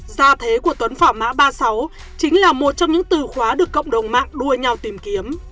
gia thế của tuấn phỏ má ba mươi sáu chính là một trong những từ khóa được cộng đồng mạng đua nhau tìm kiếm